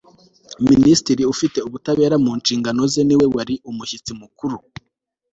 minisitiri ufite ubutabera mu nshingano ze niwe wari umushyitsi mukuru